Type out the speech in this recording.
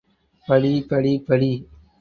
படி படி படி!